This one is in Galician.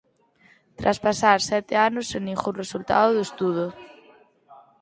Tras pasar sete anos sen ningún resultado do estudo.